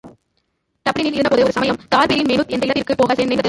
டப்ளினில் இருந்தபோது ஒருசமயம் தான்பிரீன் மேனுத் என்ற இடத்திற்குப்போக நேர்ந்தது.